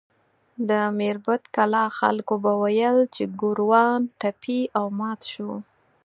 د میربت کلا خلکو به ویل چې ګوروان ټپي او مات شو.